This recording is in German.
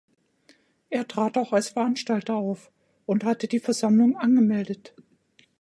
Er trat auch als Veranstalter auf und hatte die Versammlung angemeldet.